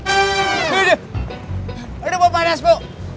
aduh aduh aduh bapak das bu